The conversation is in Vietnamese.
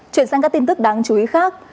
chuyển sang các tin tức đáng chú ý khác